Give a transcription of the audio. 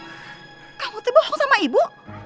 buka kamu tuh bohong sama ibu